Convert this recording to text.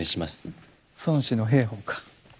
孫子の兵法か。